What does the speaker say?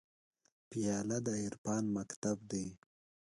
پیاله د عرفان مکتب ده.